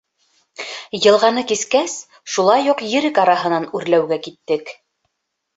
Йылғаны кискәс, шулай уҡ ерек араһынан үрләүгә киттек.